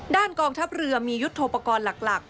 กองทัพเรือมียุทธโปรกรณ์หลัก